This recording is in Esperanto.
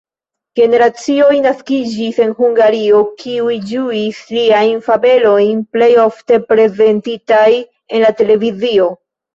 Generacioj naskiĝis en Hungario, kiuj ĝuis liajn fabelojn, plej ofte prezentitaj en la televizio.